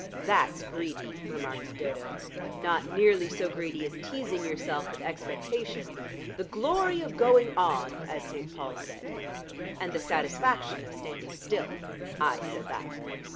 "That's greedy," remarked Dodo. "Not nearly so greedy as teasing yourself with expectation. The glory of going on! as St. Paul said." "And the satisfaction of standing still. I said that."